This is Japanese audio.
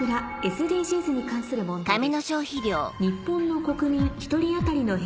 ＳＤＧｓに関する問題です。